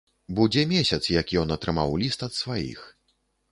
Будзе месяц, як ён атрымаў ліст ад сваіх.